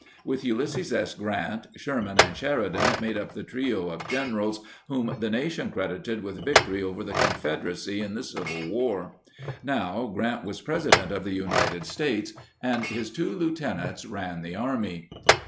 With Ulysses S. Grant, Sherman and Sheridan made up the trio of generals whom the nation credited with victory over the Confederacy in the Civil War. Now Grant was President of the United States, and his two lieutenants ran the Army.